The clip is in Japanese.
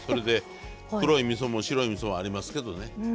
黒いみそも白いみそもありますけどね。